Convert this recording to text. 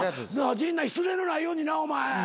陣内失礼のないようになお前。